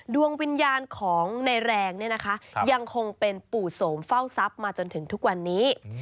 ดวงวิญญาณของในแรงเนี่ยนะคะยังคงเป็นปู่โสมเฝ้าทรัพย์มาจนถึงทุกวันนี้